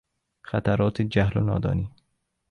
خطرات جهل و نادانی